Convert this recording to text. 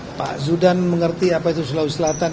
mereka akan mengerti apa itu sulawesi selatan